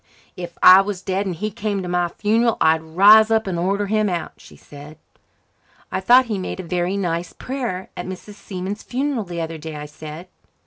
"If I was dead and he came to my funeral I'd rise up and order him out," she said. "I thought he made a very nice prayer at Mrs. Seaman's funeral the other day," I said.